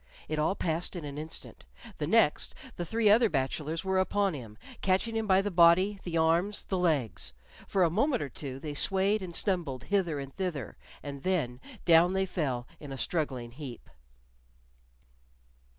It all passed in an instant; the next the three other bachelors were upon him, catching him by the body, the arms, the legs. For a moment or two they swayed and stumbled hither and thither, and then down they fell in a struggling heap.